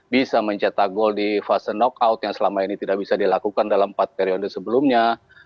bisa mencetak gol di fase knockout yang selama ini tidak bisa dilakukan dalam empat periode sebelumnya